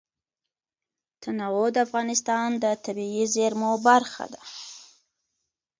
تنوع د افغانستان د طبیعي زیرمو برخه ده.